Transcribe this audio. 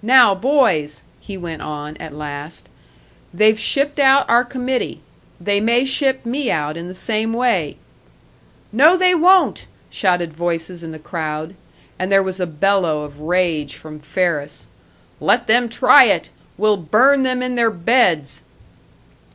"Now, boys," he went on, at last, "they've shipped out our committee. They may ship me out in the same way " "No, they won't!" shouted voices in the crowd. And there was a bellow of rage from Ferris. "Let them try it! We'll burn them in their beds!"